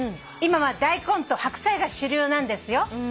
「今は大根と白菜が主流なんですよ」